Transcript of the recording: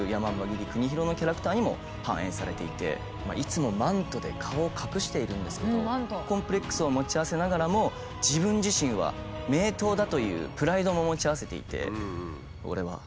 切国広のキャラクターにも反映されていていつもマントで顔を隠しているんですけどコンプレックスを持ち合わせながらも自分自身は名刀だというプライドも持ち合わせていて。